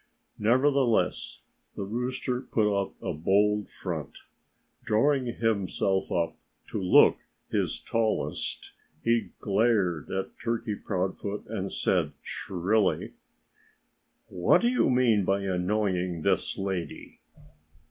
Nevertheless the rooster put on a bold front. Drawing himself up to look his tallest, he glared at Turkey Proudfoot and said shrilly, "What do you mean by annoying this lady?"